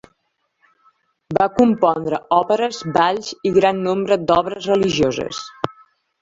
Va compondre òperes, balls i gran nombre d'obres religioses.